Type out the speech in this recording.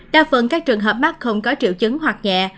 đa phần các trường hợp mắc không có triệu chứng hoặc nhẹ